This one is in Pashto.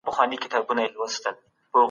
شرم کله ناکله د انسان د ځوریدو سبب ګرځي.